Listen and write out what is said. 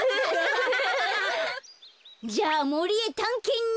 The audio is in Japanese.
じゃあもりへたんけんに。